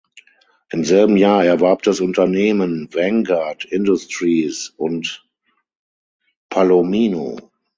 Im selben Jahr erwarb das Unternehmen Vanguard Industries und Palomino.